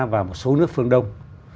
và một số nước phương đông